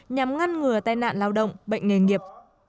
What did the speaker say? nhằm ngăn ngừa tai nạn lao động bệnh nghề nghiệp